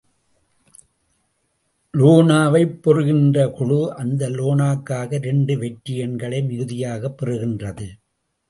லோனா வைப் பெறுகின்ற குழு, அந்த லோனாவுக்காக இரண்டு வெற்றி எண்களை மிகுதியாகப் பெறுகின்றது.